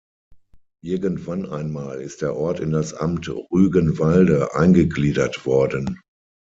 Irgendwann einmal ist der Ort in das Amt Rügenwalde eingegliedert worden.